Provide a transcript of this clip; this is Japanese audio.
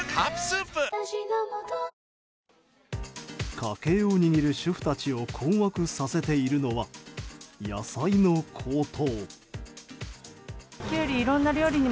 家計を握る主婦たちを困惑させているのは野菜の高騰。